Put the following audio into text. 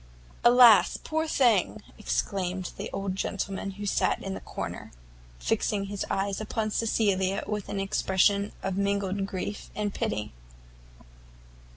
"Alas! poor thing!" exclaimed the old gentleman who sat in the corner, fixing his eyes upon Cecilia with an expression of mingled grief and pity.